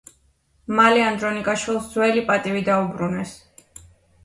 მალე ანდრონიკაშვილს ძველი პატივი დაუბრუნეს.